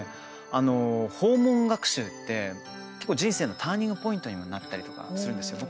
訪問学習って結構、人生のターニングポイントにもなったりとかするんですよ。